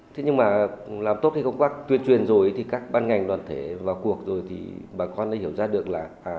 thế nhưng mà làm tốt cái công tác tuyên truyền rồi thì các ban ngành đoàn thể vào cuộc rồi thì bà con đã hiểu ra được là